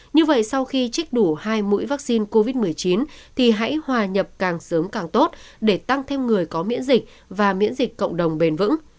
như vậy sau khi trích đủ hai mũi vaccine covid một mươi chín thì hãy hòa nhập càng sớm càng tốt để tăng thêm người có miễn dịch và miễn dịch cộng đồng bền vững